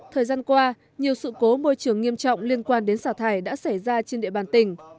thời gian qua nhiều sự cố môi trường nghiêm trọng liên quan đến xả thải đã xảy ra trên địa bàn tỉnh